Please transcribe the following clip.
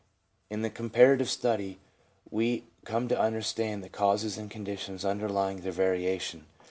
In the comparative study, we come to understand the causes and conditions underlying their variation.